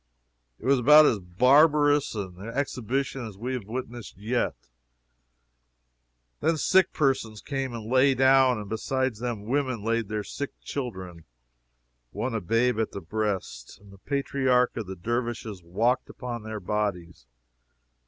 It was about as barbarous an exhibition as we have witnessed yet. Then sick persons came and lay down, and beside them women laid their sick children (one a babe at the breast,) and the patriarch of the Dervishes walked upon their bodies.